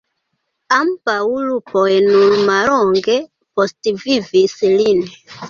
Ambaŭ lupoj nur mallonge postvivis lin.